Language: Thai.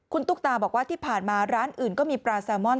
คุณตุ๊กตาบอกว่าที่ผ่านมาร้านอื่นก็มีปลาแซลมอน